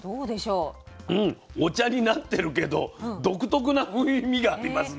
うんお茶になってるけど独特な風味がありますね。